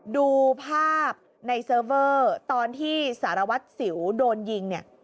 ดูภาพในเซิร์เฟอร์ตอนที่สารวัติสิวโดนยิง